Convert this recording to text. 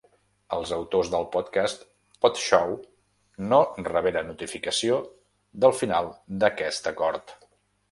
Els autors del podcast Podshow no reberen notificació del final d'aquest acord.